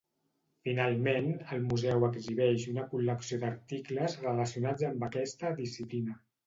Finalment, el museu exhibeix una col·lecció d'articles relacionats amb aquesta disciplina.